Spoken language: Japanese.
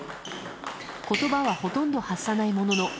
言葉はほとんど発さないものの